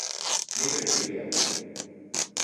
Nipe bibilia